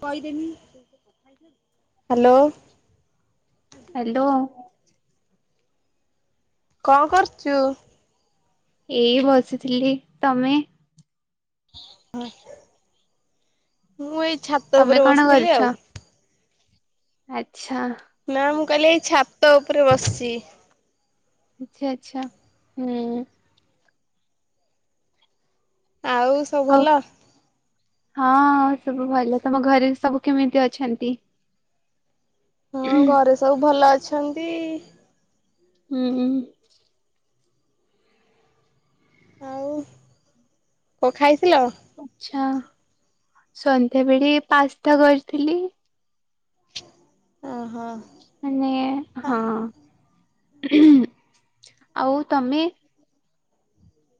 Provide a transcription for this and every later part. କହିଦେମି hello? Hello. କଅଁ କରଚୁ? ଏଇ ବସିଥିଲି ତମେ? ମୁଁ ଏଇ ଛାତ ତମେ ଉପରେ କଣ ବସିଥିଲି ଆଉ। ଆଛା। ନା ମୁଁ କହିଲି ଏଇ ଛାତ ଉପରେ ବସିଛି। ଆଛା ଆଛା ହୁଁ। ଆଉ ସବୁ ହଉ ଭଲ? ହଁ ସବୁ ଭଲ ତମ ଘରେ ସବୁ କେମିତି ଅଛନ୍ତି? ହଁ ଘରେ ସବୁ ଭଲ ଅଛନ୍ତି। ହୁଁ ହୁଁ। ଆଉ କ ଖାଇଥିଲ? ଆଚ୍ଛା ସନ୍ଧ୍ୟାବେଳେ ପାସ୍ତା କରିଥିଲି। ଅଁ ହୋ। ମାନେ ହଁ ହୁ ଆଉ ତମେ?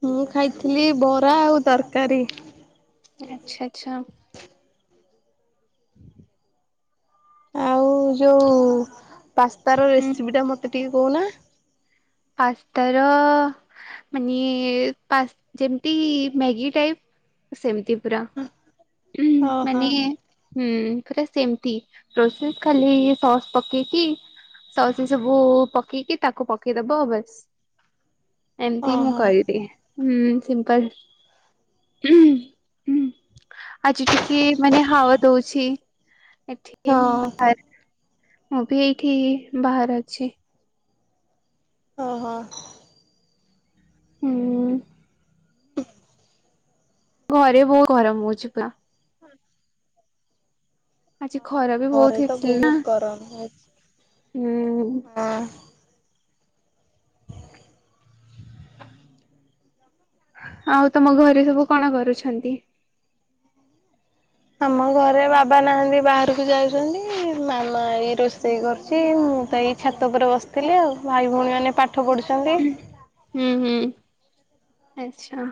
ମୁଁ ଖାଇଥିଲି ବରା ଆଉ ତରକାରୀ। ଆଚ୍ଛା ଆଚ୍ଛା। [inaudible] ଆଉ ଯୋଉ ପାସ୍ତାତା ର ହୁଁ ରେସିପି ଟା ମତେ ଟିକେ କହୁନା? ପାସ୍ତାର। ମାନେ ପାସ୍ତ ଯେମିତି ମ୍ୟାଗି ଟାଇପ୍ ସେମିତି ପୁରା। ଉୁଁ ଓହୋ ମାନେ ହୁଁ ପୁରା ସେମିତି ପ୍ରୋସେସେ ଖାଲି ସସ୍ ପକେଇକି ସସ୍ ସବୁ ପକେଇକି ତାକୁ ପକେଇଦବ ବେସ୍। ଏମିତି ମୁଁ ଓହୋ କରିଦିଏଁ। ହୁଁ ସିମ୍ପାଲ ହୁଁ ହୁଁ। ଆଜି ଟିକେ ମାନେ ହାୱ ଦଉଛି ଏଠି ହଁ କି ବାହାରେ। ମୁଁ ବି ଏଇଠି ବାହାରେ ଅଛି। ହଁଅଁ। ହୁଁ। ଘରେ ବହୁ ଗରମ ହଉଛି ପ୍ଲା ଆଜି ହଁ ଖରା ବି ଘରେ ବହୁତ ତ ହେଇଥିଲ୍ ନା, ବହୁତ ଗରମ ହଉଛି। ହୁଁ-ଉଁ-ଉଁ ହଁ ଆଉ ତମ ଘରେ ସବୁ କଣ କରୁଛନ୍ତି? ଆମ ଘରେ ବାବା ନାହାନ୍ତି ବାହାରକୁ ଯାଉଛନ୍ତି, ମାମା ଏଇ ରୋଷେଇ କରୁଛି ମୁଁ ତ ଏଇ ଛାତ ଉପରେ ବସ୍ ଥିଲି ଆଉ, ଭାଇ ଭଉଣୀମାନେ ପାଠ ପଢ଼ୁଛନ୍ତି। ହୁଁ ହୁଁ ଆଚ୍ଛା।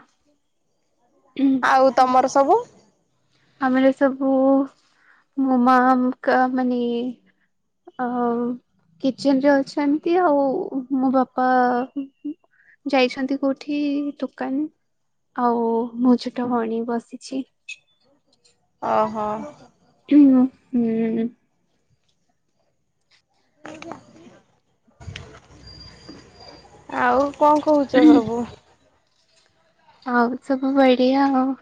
ଆଉ ତମର ସବୁ? ଆମର ସବୁ ମୋ ମାମ୍ ଙ୍କ ମାନେ ଇଏ ହଉ। କିଚେନ୍ ରେ ଅଛନ୍ତି ଆଉ ମୋ ବାପା ଯାଇଛନ୍ତି କୋଉଠି-ଇ-ଇ ଦୋକାନ, ଆଉ ମୋ ଛୋଟ ଭଣୀ ବସିଛି। ଅ-ହ। ‍ [unintelligible] ହୁଁ। ନେଇଜାଆ [unintelligible] ଆଉ କଣ କହୁଛ ସବୁ? ଆଉ ସବୁ ବଢିଆ ଆଉ,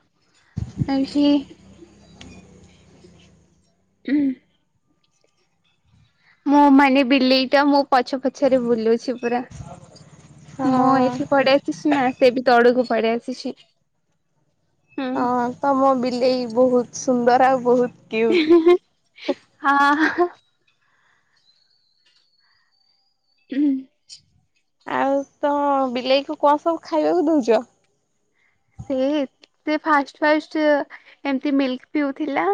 ଏଇଠି ଉହୁଁ। ମୁଁ ମାନେ ବିଲେଇଟା ମୋ ପଛ ପଛରେ ବୁଲୁଛି ପୁରା। ମୁଁ ହଁ ଏଠି ପଡେଇ ଆସିଛି ସିନା, ସେ ବି ତଳକୁ ପଡେଇ ଆସିଛି। ହୁଁ। ହଁ ତମ ବିଲେଇ ବହୁତ୍ ସୁନ୍ଦର ଆଉ ବହୁତ୍ କିୟୁଟ୍। ହା ହାଁ। ହୁଁ ହୁଁ। [unintelligible] ତ ବିଲେଇକୁ କଣ ସବୁ ଖାଇବାକୁ ଦଉଚ? ସେ ଏତେ ଫାଷ୍ଟ୍-ଫାଷ୍ଟ୍ ଏମତି ମିଲ୍କ ପିଉଥିଲା।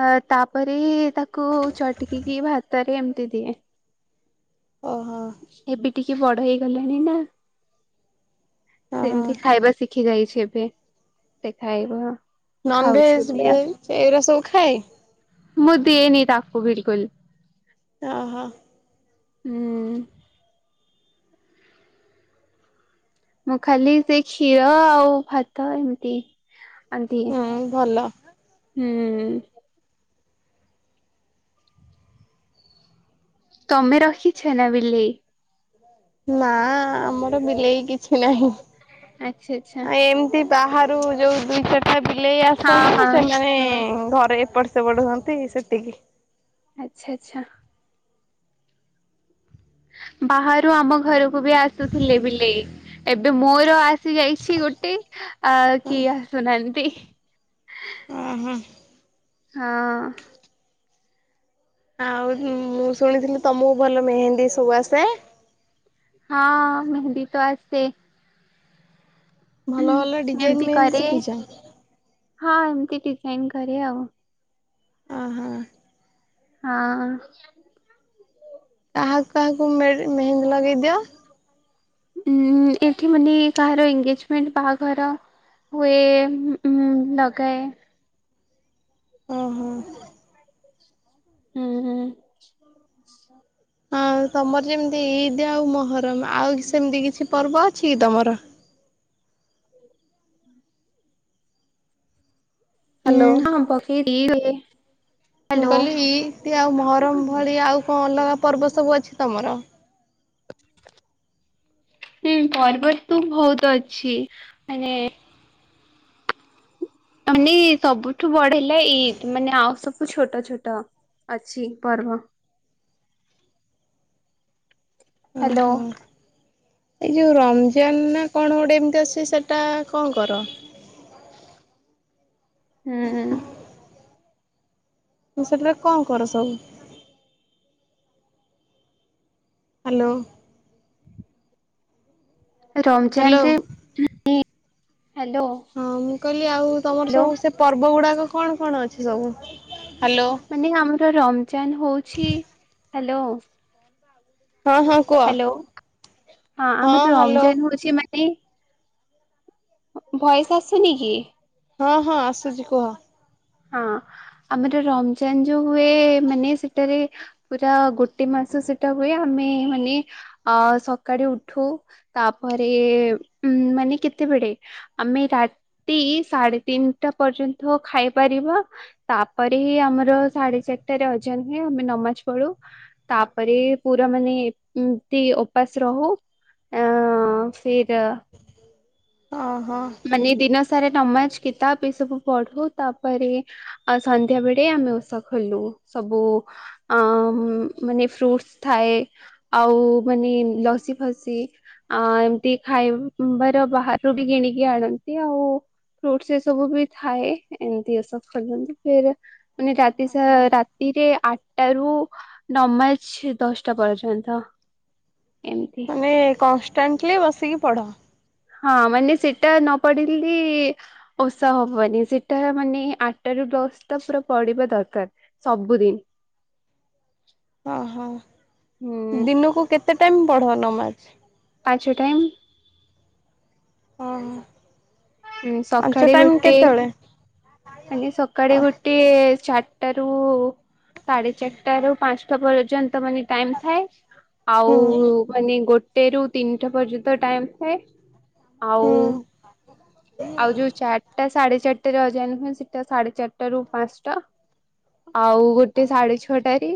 ଅ ତାପରେ ତାକୁ ଚଟକିକି ଭାତରେ ଏମିତି ଦିଏ। ଓହୋଃ। ଏବେ ଟିକେ ବଡ ହେଇଗଲାଣି ନା-ସ୍କ ସେ ଓହୋ ଏମିତି ଖାଇବା ଶିଖି ଯାଇଛି ଏବେ, ସେ ଖାଇବ। ନନ ଖାଉଛି ଭେଜ୍, ଏବେ ଆଉ ଭେଜ୍ ଏରା ସବୁ ଖାଏ? ମୁଁ ଦିଏନି ତାକୁ ବିଲକୁଲ୍। ଓହୋଃ। ହୁଁ। ମୁଁ ଖାଲି ସେ କ୍ଷୀର ଆଉ ଭାତ ଏମିତି ଏମିତି, ହୁଁ ଭଲ ହୁଁ-ଉଁ-ଉଁ-ଉଁ ତମେ ରଖିଛ ନା ବିଲେଇ? ନାଁ-ଆ-ଆ-ଆ ଆମର ବିଲେଇ କିଛି ନାହିଁ। ଆଚ୍ଛା ଆଚ୍ଛା ଆଉ ଏମିତି ବାହାରୁ ଯୋଉ ଦୁଇ ଚାରିଟା ବିଲେଇ ହଁ ଆସନ୍ତି ହଁ ସେମାନେ ହଁ। ଘରେ ଏପଟ ସେ ବଡ ହୁଅନ୍ତି ସେତିିକି। ଆଚ୍ଛା-ଆଚ୍ଛା। ବାହାରୁ ଆମ ଘରକୁ ବି ଆସୁଥିଲେ ବିଲେଇ, ଏବେ ମୋର ଆସ୍ ସେ ଯାଇଛି ଗୋଟେ, ଆଉ କିଏ ଆସୁନାହାନ୍ତି। ଉଁ ହୁଁ। ହଁ। ଆଉ ମୁଁ ଶୁଣିଥିଲି ତମକୁ ଭଲ ମେହେନ୍ଦୀ ସବୁ ଆସେ? ହଁ ମେହେନ୍ଦି ତ ଆସେ। ଭଲ ଭଲ ଡିଜାଇନ ଏମିତି ମେହେନ୍ଦି କରେ ଶିଖିଚ? ହଁ ସିକିଚି ଏମିତି କରେ। ଆଉ ଅ ହ। ହଁ। କାହାକୁ କାହାକୁ ମେର ମେହେନ୍ଦି ଲଗେଇଦିଅ? ଉ ଏଠି ମାନେ କାହାର ଏଗେଜମେଣ୍ଟ ବାହାଘର ହୁଏ [unintelligible] ଲଗାଏ। ଓହୋ। ହୁଁ ହୁଁ। ହଁ ତମର ଯେମିତି ଇଦ୍ ଆଉ ମହରମ୍ ଆଉ ସେମିତି କିଛି ପର୍ବ ଅଛି କି ତମର? ହ୍ୟାଲୋ। ହୁଁ ହଁ [unintelligible] ମୁଁ କହିଲି ଇଦ୍ ଆଉ ମହରମ୍ ଭଳିଆ ଆଉ କଣ ଅଲଗା ପର୍ବ ସବୁ ଅଛି ତମର? ହୁଁ ପର୍ବତ ତୁ ବହୁତ ଅଛି। ମାନେ ମାନେ ସବୁଠୁ ବଢ଼ ହେଲା ଇଦ୍। ମାନେ ଆଉ ସବୁ ଛୋଟ ଛୋଟ। ଅଛି ପର୍ବ। ଓ ହ୍ୟାଲୋ ହୋ। ଏଇ ଯୋଉ ରମ୍ ଜାନ୍ ନା କଣ ଗୋଟେ ଏମିତି ଆସୁଚି ସେଟା କଣ କର? ହୁଁ ଉ ତ ସେଥିରେ କଣ କର ସବୁ? ହାଲୋ। ରମ୍ଜାନ୍ ହ୍ୟାଲୋ ରେ [unintelligible] ହ୍ୟାଲୋ ହଁ ମୁଁ କହିଲି। ଆଉ ତମର ହ୍ୟାଲୋ ସବୁ ସେ ପର୍ବ ଗୁଡ଼ାକ କଣ କଣ ଅଛି ସବୁ ହାଲୋ ମାନେ ଆମର ରମ୍ଜାନ୍ ହଉଛି। ହ୍ୟାଲୋ ହଁ ହଁ। କୁହ ହାଲୋ ହଁ ଆମର ଯୋଉ ଆମ୍ଜାନ୍ ହଉଛି ମାନେ ଭଏଶ୍ ଆସୁନିକି? ହଁ ହଁ ଆସୁଚି କୁହ ହଁ ଆମର ରମ୍ଜାନ୍ ଯୋଉ ହୁଏ। ମାନେ ସେଟାରେ ପୁରା ଗୋଟେ ମାସ ସେଟା ହୁଏ। ଆମେ ମାନେ ଅ ସକାଡ଼ୁ ଉଠୁ ତାପରେ ଉ ମାନେ କେତେବେଳେ? ଆମେ ରାତି ସାଢ଼େ ତିନିଟା ପର୍ଯ୍ୟନ୍ତ ଖାଇ ପାରିବା ତାପରେ ହିଁ ଆମର ସାଢ଼େ ଚାରିଟାରେ ଅଜାନ ହୁଏ ଆମେ ନମାଜ ପଢୁ ତାପରେ ପୁରା ମାନେ ଏମତି ଉପାସ ରହୁ ଆଁ ସେଇତ ଅ ହ। ମାନେ ଦିନ ସାରା ନମାଜ କିତାବ ଏ ସବୁ ପଢ଼ୁ ତାପରେ ଆଉ ସନ୍ଧ୍ୟା ବେଡ଼େ ଆମେ ଓଷା ଖୋଲୁ ସବୁ ଆ ମାନେ ଫ୍ରୁଟ୍ସ ଥାଏ ଆଉ ମାନେ ଲସି ଫସି ଆ ଏମତି ଖାଇବାର ବାହାର ରୁ ବି କିଣିକି ଆଣନ୍ତି ଆଉ ଫ୍ରୁଟ ଏ ସବୁ ବି ଥାଏ ଏମିତି ଏସବୁ [unintelligible] ମାନେ ରାତି ସା ରା ରାତିରେ ଆଠଟା ରୁ ନମାଜ ଦଶଟା ପର୍ଯ୍ୟନ୍ତ। ଏମିତି ମାନେ କନଷ୍ଟାଣ୍ଟଲି ବସିକି ପଢ଼ ହଁ ମାନେ ସେଟା ନ ପଡିଲି ଓଷା ହବନି ସେଟା ମାନେ ଆଠଟା ରୁ ଦଶଟା ପୁରା ପଡିବା ଦରକାର। ସବୁଦିନ। ଓହୋ ହୁଁ ଦିନକୁ କେତେ ଟାଇମ ପଢ ନମାଜ? ପାଞ୍ଚ ଟାଇମ୍। ଓହ ପାଞ୍ଚ ସକାଳେ ଟାଇମ ଗୋଟେ କେତେବେଳେ? ମାନେ ସକାଳେ ଗୋଟେ ଚାରିଟାରୁ ସାଢେ ଚାରିଟାରୁ ପାଞ୍ଚ ଠ ପର୍ଯ୍ୟନ୍ତ ମାନେ ଟାଇମ ଥାଏ ହୁଁ ଆଉ ମାନେ ଗୋଟେରୁ ତିନିଟା ପର୍ଯ୍ୟନ୍ତ ଟାଇମ୍ ଥାଏ ଆଉ ହୁଁ ଆଉ ଯୋଉ ଚାରିଟା ସାଢେ ଚାରିଟାରେ ଅଜା ନୁହଁ ସେଟା ସାଢେ ଚାରିଟା ରୁ ପାଞ୍ଚଟା ଆଉ ଗୋଟେ ସାଢେ ଛଅଟାରେ।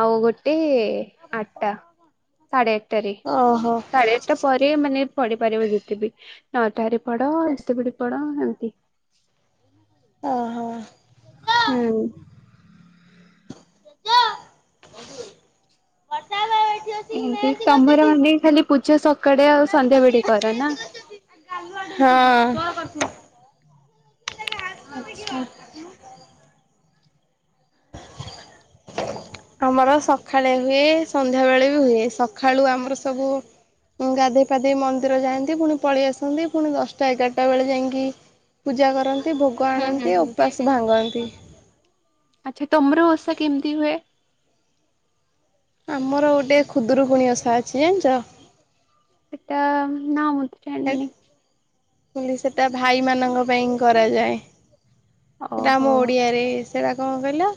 ଆଉ ଗୋଟେ ଆଠଟା ସାଢେ ଆଠଟାରେ। ଓହୋ ସାଢେ ଆଠଟା ପରେ ସେ ମାନେ ପଢିପାରିବ ଯେତେ ବିି ନଅଟାରେ ପଢ ଏତେ ବେଳେ ପଢ ଏମତି ଓହୋ। ହୁଁ। [unintelligible] ଏମିତି ତମର ମାନେ ଖାଲି ପୂଜା ସକାଳେ ଆଉ ସନ୍ଧ୍ୟାବେଳେ କର ନା? ହଁ। ଆଛା। ଆମର ସଖାଳେ ହୁଏ ସନ୍ଧ୍ୟାବେେଳେ ବି ହୁଏ ସକାଳୁ ଆମର ସବୁ ଗାଧୋଇ ପାଧୋଇ ମନ୍ଦିର ଯାଆନ୍ତି ପୁଣି ପଳେଇ ଆସନ୍ତି ପୁଣି ଦଶଟା ଏଗାରଟା ବେଳେ ଯାଇକି ପୂଜା କରନ୍ତି ଭୋଗ ହୁଁ ହୁଁ ଆଣନ୍ତି ହୁଁ ଉପାସ ଭାଙ୍ଗନ୍ତି। ଆଚ୍ଛା ତମର ଓଷା କେମିତି ହୁଏ? ଆମର ଗୋଟିଏ ଖୁଦୁରୁକୁୁଣି ଓଷା ଅଛି ଜାଣିଛ? ଏଟା ନାଉନ। ହେଟ୍ ବୋଇଲୀ ସେଟା ଭାଇମାନାନଙ୍କ ପାଇଁ କରାଯାଏ। ସେଟା ଓହୋ ଆମ ଓଡିଆରେ ସେଟା କଣ କହିଲ।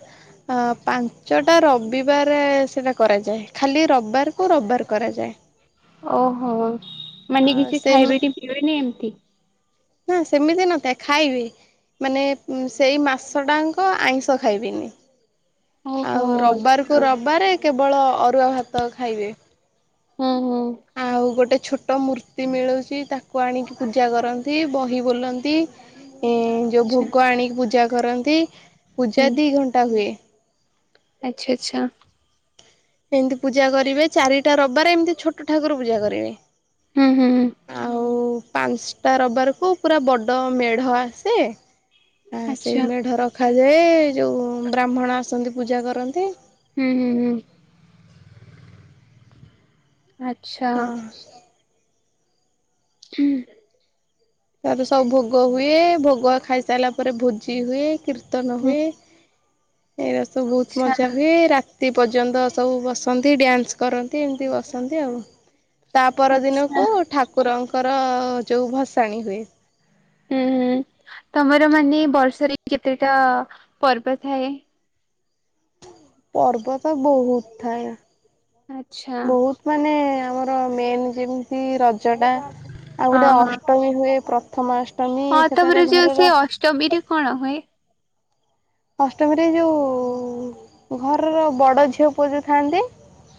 ପାଞ୍ଚଟା ରବିବାର ସେଇଟା କରାଯାଏ ଖାଲି ରବିବାରକୁ ରବିବାର କରାଯାଏ। ଓହୋ ମାନେ ଆଉ କିଛି ସେ ଖାଇବେ କି ପିଇବେନି ଏମତି। ହୁଁ ସେମିତି ନଥାଏ ଖାଇବି। ମାନେ ସେଇ ମାସଟାଙ୍କ ଆଇଁଷ ଖାଇବିନି। ଓହୋ ଆଉ ରବିବାରକୁ ଆଚ୍ଛା ରବିବାରେ କେବଳ ଅରୁଆ ଭାତ ଖାଇବେ। ହୁଁ ହୁଁ। ଆଉ ଗୋଟେ ଛୋଟ ମୂର୍ତ୍ତି ମିଳୁଛି ତାକୁ ଆଣିକି ପୂଜା କରନ୍ତି ବହି ବୋଲନ୍ତି। ଏ ଯେଉଁ ଭୋଗ ଆଣିକି ପୂଜା କରନ୍ତି ପୂଜା ଦିଇ ଘଣ୍ଟା ହୁଏ। ଆଚ୍ଛା ଆଚ୍ଛା। ଏମିତି ପୂଜା କରିବେ ଚାରିଟା ରବିବାରେ ଏମିତି ଛୋଟ ଠାକୁର ପୂଜା କରିବେ। ହୁଁ ହୁଁ ହୁଁ। ଆଉ ପାଞ୍ଚଟା ରିବାରକୁ ପୁରା ବଡ଼ ମେଢ ଆସେ। ହଁ ଆଚ୍ଛା ସେଇ ଆଚ୍ଛା ମେଢ ରଖାଯାଏ ଯୋଉ ବ୍ରାହ୍ମଣ ଆସନ୍ତି ପୂଜା କରନ୍ତି। ହୁଁଁ ହୁଁ। ହୁଁ ହୁଁ। ଆଚ୍ଛା। ହଁ ହୁଁ। ତାର ସବୁ ଭୋଗ ହୁଏ। ଭୋଗ ଖାଇସାରିଲା ପରେ ଭୋଜି ହୁଏ। କୀର୍ତ୍ତି ତ ନ ହୁଁ ହୁଏ ଏରା ସବୁ ବହୁତ ଆଚ୍ଛା ମଜା ହୁଏ। ରା ତି ପର୍ଯ୍ୟନ୍ତ ସବୁ ବସନ୍ତି, ଡ୍ୟାନ୍ସ କରନ୍ତି, ଏମିତି ବସନ୍ତି ଆଉ। ତା ପର ଆଚ୍ଛା ଦିନକୁ ଠାକୁରଙ୍କର ଯୋଉ ଭସାଣି ହୁଏ। ହୁଁ, ହୁଁ ତୋମର ମାନେ ବର୍ଷରେ କେତେଟା ପର୍ବ ଥାଏ? ପର୍ବ ତ ବହୁତ ଥାଏ। ଆଚ୍ଛା। ବହୁତ ମାନେ ଆମର ମେନ ଯେମିତି ରଜ ଟା, ଆଉ ହଁ ଗୋଟେ ହଁ ଅଷ୍ଟମୀ ହୁଏ ପ୍ର ଥମାଷ୍ଟମୀ ସେଟାରେ ଘରର ଟମୀରେ କଣ ହୁଏ? ଅଷ୍ଟମୀରେ ଯୋଉ ଘରର ବଡ଼ ଝିଅ ପୁଅ ଯୋଉ ଥାନ୍ତି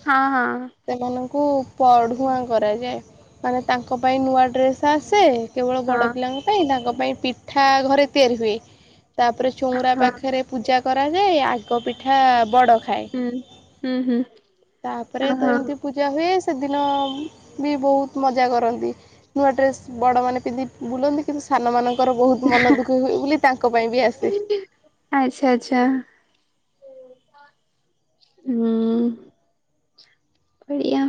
ହଁ, ହଁ। ସେମାନଙ୍କୁ ପଢ଼ୁଆଁ କରାଯାଏ। ମାନେ ତାଙ୍କ ପାଇଁ ନୂଆ ଡ୍ରେସ୍ ଆସେ। କେବଳ ହଁ ବଡ଼ ପିଲାଙ୍କ ପାଇଁ ତାଙ୍କ ପାଇଁ ପିଠା ଘରେ ତିଆରି ହୁଏ। ତାପରେ ଚୋଉଁରା ହଁ ପା ରେ ପୂଜା କରାଯାଏ, ଆଗ ପିଠା ବଡ଼ ଖା ଖାଏ। ହୁଁ ହୁଁ ହୁଁ ତାପରେ ହଁ ତ ହଁ ଏମତି ପୂ ଜା ହୁଏ, ସେଦିନ ବି ବହୁତ ମଜା କରନ୍ତି। ନୂଆ ଡ୍ରେସ୍ ବଡ଼ମାନେ ପିନ୍ଧି ବୁଲନ୍ତି। କିନ୍ତୁ ସାନମାନଙ୍କର ବହୁତ ମନ ଦୁଃଖୀ ହୁଏ ବୋଲି ତାଙ୍କ ପାଇଁ ବି ଆସେ। ଆଚ୍ଛା, ଆଚ୍ଛା। ହୁଁ, ଏଇଆ।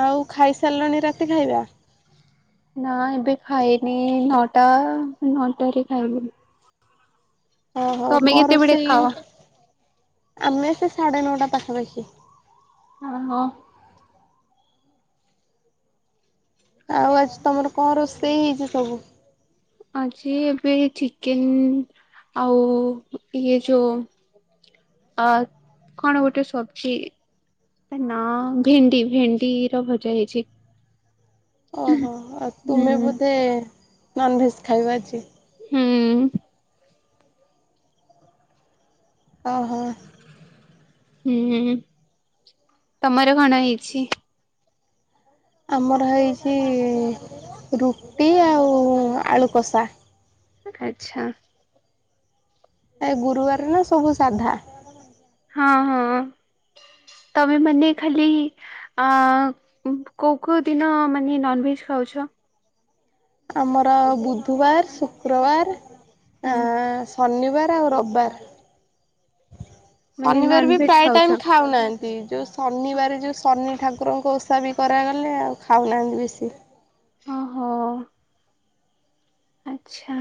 ଆଉ ଖାଇସାରିଲଣି ରାତି ଖାଇବା? ନା ଏବେ ଖାଇନି ନଅଟା ନଅଟା ରେ ଖାଇବୁ। ଓହୋ, କ କେତେବେଳେ ରୋଷେଇ, ଖାଅ? ଆମେ ସେ ସାଢେ ନଅଟା ପାଖାପାଖି। ଓ ହୋ। ଆଉ ଆଜି ତୋମର କଣ ରୋଷେଇ ହେଇଛି ସବୁ? ଆଜି ଏବେ ଚିକେନ୍ ଆଉ ଇଏ ଯୋ ଆ, କଣ ଗୋଟେ ସବଜି ନା ଭେଣ୍ଡି ଭେଣ୍ଡି ର ଭଜା ହେଇଛି। ଓହୋ, ଆଉ ହୁଁ ତୁମେ ବୋଧେ ନନଭେଜ୍ ଖାଇବା ଆଜି? ହୁଁ। ଓହୋ। ହୁଁ, ତୋମର କଣ ହେଇଛି? ଆମର ହେଇଛି ରୁଟି ଆଉ ଆଳୁକଷା। ଆଚ୍ଛା। ଏ ଗୁରୁବାର ନା ସବୁ ସାଧା। ହଁ, ହଁ ତୋମ ମାନେ ଖାଲି ଆ, ଉଁ, କୋଉ କୋଉ ଦିନ ମାନେ ନନଭେଜ୍ ଖାଉଛ? ଆମର ବୁଧବାର ଶୁକ୍ରବାର ଆ, ହୁଁ ଶନିବାର ଆଉ ରବବାର, ମାନେ ଶନିବାର ବି ନନଭେଜ ପ୍ରାୟ ଟାଇମ୍ ଖାଉଛ ଖାଉନା। ଏ ଯୋଉ ଶନିବାର ଯୋଉ ଶନି ଠାକୁରଙ୍କ ଓଷା ବି କରାଗଲେ ଆଉ ଖାଉନାହାନ୍ତି ବେଶୀ। ଓହୋ। ଆଚ୍ଛା।